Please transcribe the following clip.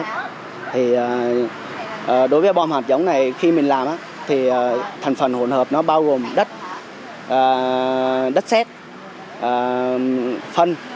thì đối với bom hạt giống này khi mình làm thì thành phần hỗn hợp nó bao gồm đất xét phân